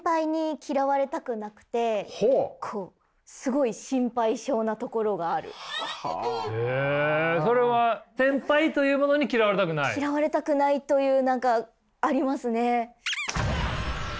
嫌われたくないという何かありますね。